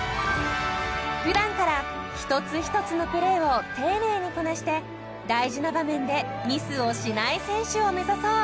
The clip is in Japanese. ［普段から一つ一つのプレーを丁寧にこなして大事な場面でミスをしない選手を目指そう］